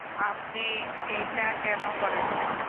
আপনি এটা কেন করেন?